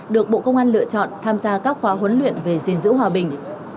được bộ công an lựa chọn tham gia các khóa huấn luyện về gìn giữ hòa bình